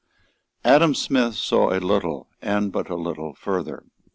Adam Smith saw a little and but a little further.